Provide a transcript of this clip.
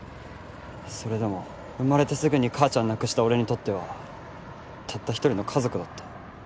それでも生まれてすぐに母ちゃん亡くした俺にとってはたった一人の家族だった。